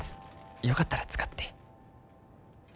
よかったら使って。